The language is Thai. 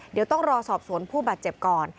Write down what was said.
เดี๋ยวต้องรอสอบสวนผู้บาดเจ็บก่อน